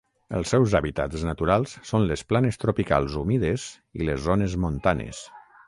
Els seus hàbitats naturals són les planes tropicals humides i les zones montanes.